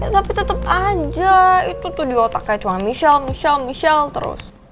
tapi tetep aja itu tuh di otaknya cuma michelle michelle michelle terus